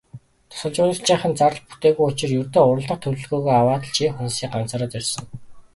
Дасгалжуулагчийнх нь зардал бүтээгүй учир ердөө уралдах зөвлөгөөгөө аваад л Чех улсыг ганцаараа зорьсон.